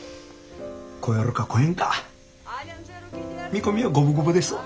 超えるか超えんか見込みは五分五分ですわ。